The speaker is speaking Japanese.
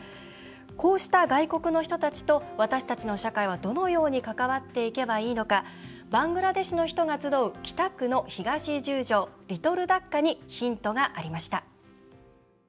こうした外国の人たちと私たちの社会は、どのように関わっていけばいいのかバングラデシュの人が集う北区の東十条、リトル・ダッカにヒントがありました。